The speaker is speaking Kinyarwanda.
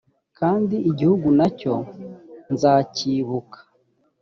kandi igihugu na cyo nzacyibuka .